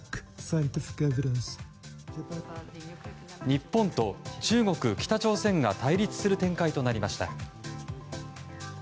日本と中国、北朝鮮が対立する展開となりました。